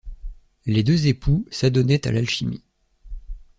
Les deux époux s'adonnaient à l'alchimie.